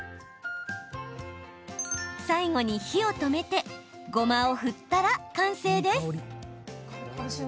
最後に火を止めてごまを振ったら完成です。